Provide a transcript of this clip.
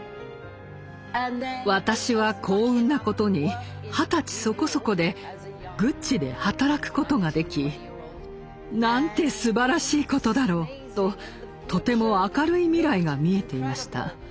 私は幸運なことに二十歳そこそこでグッチで働くことができなんてすばらしいことだろうととても明るい未来が見えていました。